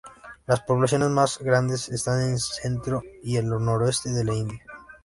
Las poblaciones más grandes están en el centro y el noroeste de la India.